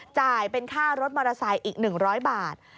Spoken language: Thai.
จ่ายเป็นค่ารถมอเตอร์ไซค์อีก๑๐๐บาท